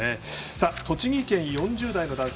栃木県、４０代の男性。